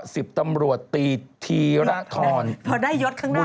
สิบตำรวจตีทีระธรรณบุญมาทรัย